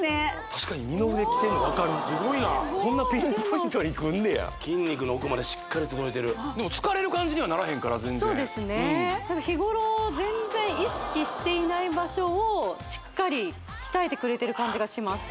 確かに二の腕きてんのわかるこんなピンポイントにくんねや筋肉の奥までしっかり届いてるでも疲れる感じにはならへんから全然たぶん日ごろ全然意識していない場所をしっかり鍛えてくれてる感じがします